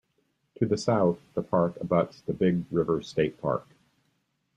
To the south, the park abuts the Big River State Park.